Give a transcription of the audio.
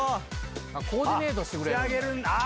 ⁉コーディネートしてくれるんや。